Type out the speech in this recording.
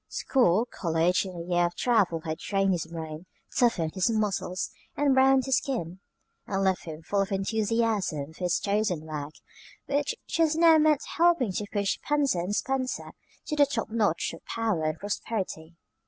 School, college, and a year of travel had trained his brain, toughened his muscles, and browned his skin, and left him full of enthusiasm for his chosen work, which just now meant helping to push Spencer & Spencer to the top notch of power and prosperity.